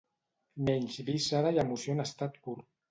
Menys víscera i emoció en estat pur.